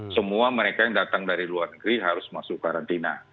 semua mereka yang datang dari luar negeri harus masuk karantina